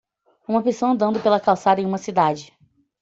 Uma pessoa andando pela calçada em uma cidade.